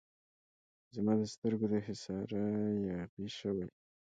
زما د سترګو د حصاره یاغي شوی